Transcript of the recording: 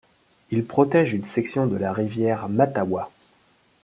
Il protège une section de la rivière Mattawa.